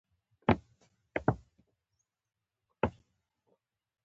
کچالو له ډوډۍ سره ښه خوري